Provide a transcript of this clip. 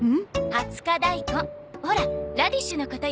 「二十日大根」ほらラディッシュのことよ。